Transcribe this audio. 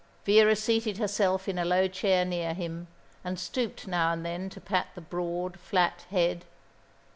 Vera seated herself in a low chair near him, and stooped now and then to pat the broad, flat head.